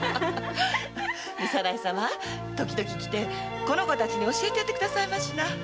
早苗様時々来てこの子達に教えてやってくださいな。